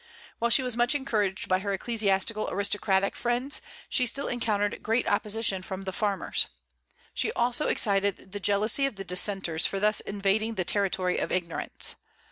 While she was much encouraged by her ecclesiastical aristocratic friends, she still encountered great opposition from the farmers. She also excited the jealousy of the Dissenters for thus invading the territory of ignorance.